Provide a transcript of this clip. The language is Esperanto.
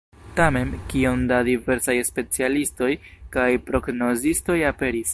Tamen, kiom da diversaj specialistoj kaj prognozistoj aperis!